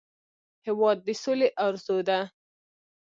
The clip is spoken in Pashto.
هېواد د سولې ارزو ده.